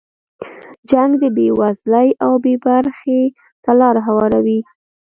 جنګ د بې وزلۍ او بې برخې ته لاره هواروي.